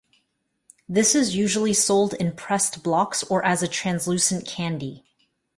This is usually sold in pressed blocks or as a translucent candy.